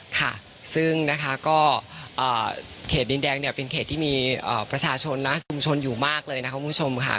ค่ะซึ่งนะคะก็เขตดินแดงเนี่ยเป็นเขตที่มีประชาชนและชุมชนอยู่มากเลยนะคะคุณผู้ชมค่ะ